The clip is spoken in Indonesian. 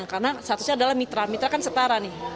karena satunya adalah mitra mitra kan setara nih